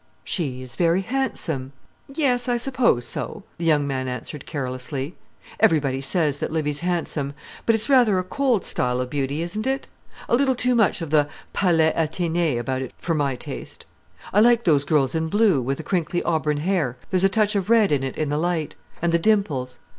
"She is very handsome." "Yes, I suppose so," the young man answered carelessly. "Everybody says that Livy's handsome; but it's rather a cold style of beauty, isn't it? A little too much of the Pallas Athenë about it for my taste. I like those girls in blue, with the crinkly auburn hair, there's a touch of red in it in the light, and the dimples.